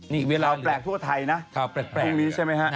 เท่าแปลกทั่วไทยนะพรุ่งนี้ใช่มั้ยฮะ